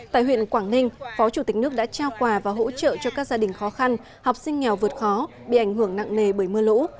tại huyện quảng ninh phó chủ tịch nước đã trao quà và hỗ trợ cho các gia đình khó khăn học sinh nghèo vượt khó bị ảnh hưởng nặng nề bởi mưa lũ